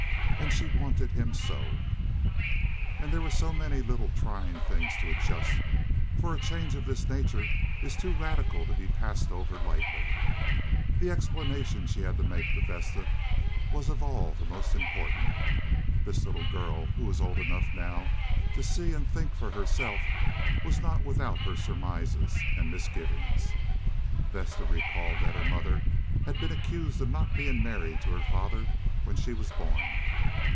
And she wanted him so. Again there were so many little trying things to adjust, for a change of this nature is too radical to be passed over lightly. The explanation she had to make to Vesta was of all the most important. This little girl, who was old enough now to see and think for herself, was not without her surmises and misgivings. Vesta recalled that her mother had been accused of not being married to her father when she was born.